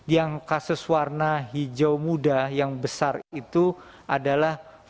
yang kasus warna hijau muda yang besar itu adalah